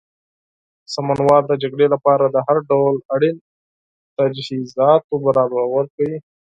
سمونوال د جګړې لپاره د هر ډول اړین تجهیزاتو برابرول کوي.